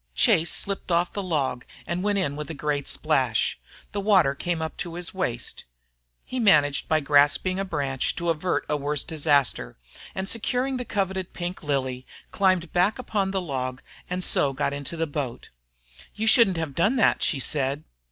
Chase slipped off the log and went in with a great splash. The water came up to his waist. He managed by grasping a branch to avert a worse disaster, and securing the coveted pink lily, climbed back upon the log and so got into the boat. "You shouldn't have done that," she said.